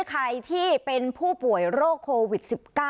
ใครที่เป็นผู้ป่วยโรคโควิด๑๙